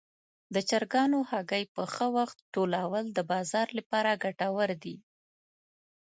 د چرګانو هګۍ په ښه وخت ټولول د بازار لپاره ګټور دي.